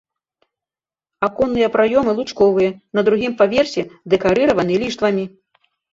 Аконныя праёмы лучковыя, на другім паверсе дэкарыраваны ліштвамі.